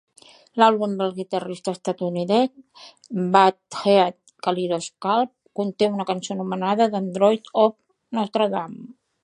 L'àlbum del guitarrista estatunidenc Buckethead "Kaleidoscalp" conté una cançó anomenada "The Android of Notre Dame".